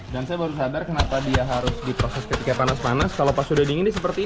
dan saya baru sadar kenapa dia harus diproses ketika panas panas kalau pas sudah dingin seperti